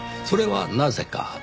それはなぜか？